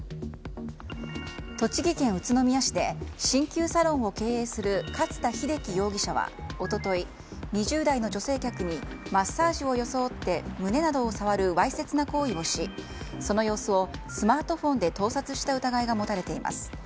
栃木県宇都宮市で鍼灸サロンを経営する勝田秀樹容疑者は一昨日２０代の女性客にマッサージを装って胸などを触るわいせつな行為をしその様子をスマートフォンで盗撮した疑いが持たれています。